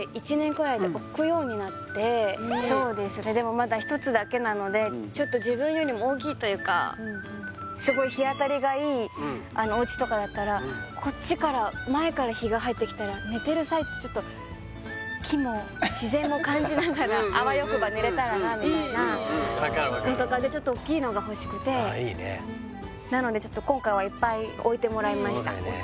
まだ１つだけなのでちょっと自分よりも大きいというかすごい日当たりがいいおうちとかだったらこっちから前から日が入ってきたら寝てる最中ちょっと木も自然も感じながらあわよくば寝れたらなみたいないいいい分かる分かるちょっとおっきいのが欲しくてああいいねなのでちょっと今回はいっぱい置いてもらいましたそうだよね